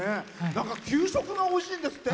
給食がおいしいんですって？